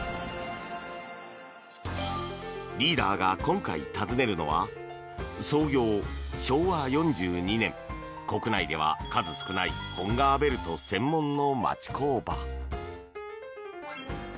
リーダーが今回訪ねるのは創業昭和４２年国内では数少ない本革ベルト専門の町工場。